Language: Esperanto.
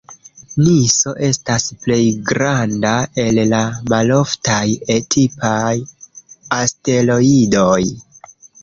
Niso estas plej granda el la maloftaj E-tipaj asteroidoj.